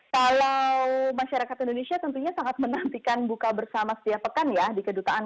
kalau masyarakat indonesia tentunya sangat menantikan buka bersama setiap pekan ya di kedutaan